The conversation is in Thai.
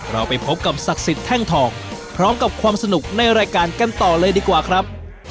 เราไปพบกับศักดิ์สิทธิ์แท่งทองพร้อมกับความสนุกในรายการกันต่อเลยดีกว่าครับ